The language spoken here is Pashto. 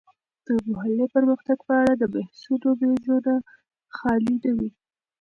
د محلي پرمختګ په اړه د بحثونو میزونه خالي نه وي.